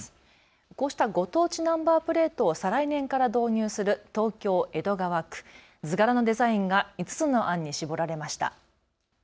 こうした、ご当地ナンバープレートを再来年から導入する東京江戸川区、図柄のデザインが５つの案に絞られました。